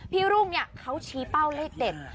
รุ่งเนี่ยเขาชี้เป้าเลขเด็ด